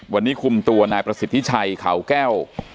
วันนี้คุมตัวนายประสิทธิชัยเขาแก้ว